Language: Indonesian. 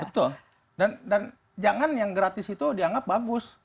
betul dan jangan yang gratis itu dianggap bagus